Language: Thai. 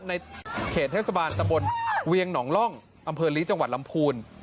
ในเขตเทศบาลตะบนเวียงหนองล่องอำเภอลีจังหวัดลำพูน